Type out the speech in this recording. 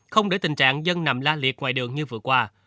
không để tình trạng dân nằm la liệt ngoài đường như vừa qua